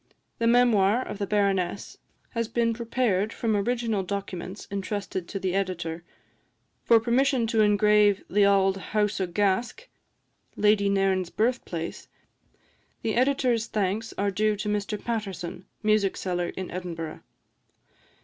The memoir of the Baroness has been prepared from original documents entrusted to the Editor. For permission to engrave "The Auld House o' Gask," Lady Nairn's birth place, the Editor's thanks are due to Mr Paterson, music seller in Edinburgh.